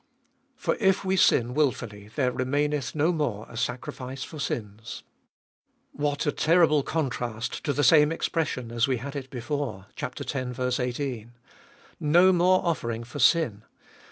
For if we sin wilfully, there remaineth no more a sacrifice for sins. What a terrible contrast to the same expression as we had it before (x. 18) : No more offering for sin.